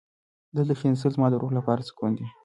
دلته کښېناستل زما د روح لپاره سکون دی.